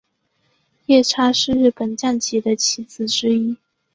夜叉是日本将棋的棋子之一。